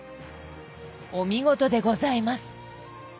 お見事でございます。